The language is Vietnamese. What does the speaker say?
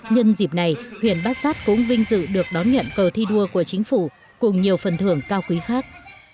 nhân dịp này huyện bát sát cũng vinh dự được đón nhận cờ thi đua của chính phủ cùng nhiều phần thưởng cao quý khác